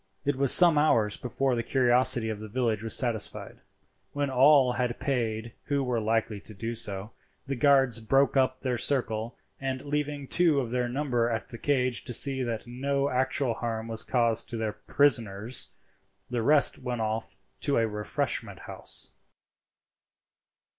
It was some hours before the curiosity of the village was satisfied. When all had paid who were likely to do so, the guards broke up their circle, and leaving two of their number at the cage to see that no actual harm was caused to their prisoners, the rest went off to a refreshment house.